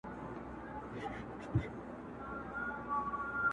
ټولي دنـيـا سره خــبري كـــوم~